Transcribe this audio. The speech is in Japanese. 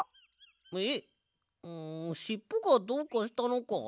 えっんしっぽがどうかしたのか？